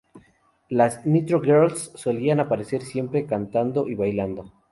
Las "Nitro Girls" solían aparecer siempre cantando y bailando.